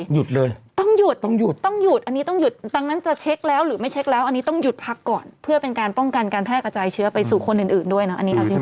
หยุดเลยต้องหยุดต้องหยุดต้องหยุดอันนี้ต้องหยุดดังนั้นจะเช็คแล้วหรือไม่เช็คแล้วอันนี้ต้องหยุดพักก่อนเพื่อเป็นการป้องกันการแพร่กระจายเชื้อไปสู่คนอื่นด้วยนะอันนี้เอาจริง